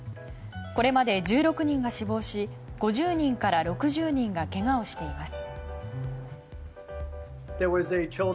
これまで１６人が死亡し５０人から６０人がけがをしています。